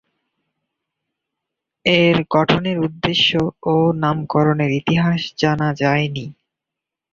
এর গঠনের উদ্দেশ্য ও নামকরনের ইতিহাস জানা যায়নি।